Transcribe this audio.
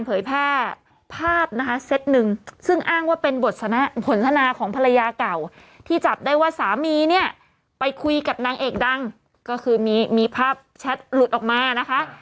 เพราะฉะนั้นต้องล้างอาถรรพ์หน่อยต้องล้างอาถรรพ์หน่อย